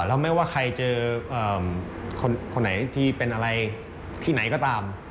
แล้วไม่ว่าใครเจอคนไหนที่เป็นอะไรที่ไหนก็ตาม